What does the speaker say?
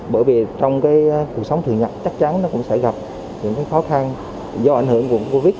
bởi vì trong cuộc sống thường nhật chắc chắn nó cũng sẽ gặp những khó khăn do ảnh hưởng của covid